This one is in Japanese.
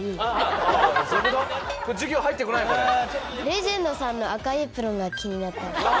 レジェンドさんの赤いエプロンが気になった。